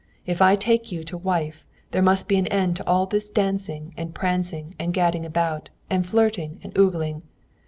If I take you to wife, there must be an end to all this dancing and prancing and gadding about, and flirting and ogling.